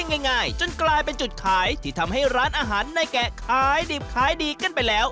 ง่ายจนกลายเป็นจุดขายที่ทำให้ร้านอาหารในแกะขายดิบขายดีกันไปแล้ว